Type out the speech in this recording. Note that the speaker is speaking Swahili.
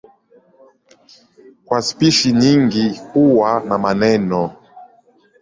Kwa spishi nyingi huwa na meno.